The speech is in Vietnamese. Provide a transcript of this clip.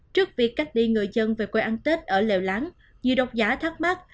trước việc cách ly người dân về quê ăn tết ở lèo lãng nhiều đọc giả thắc mắc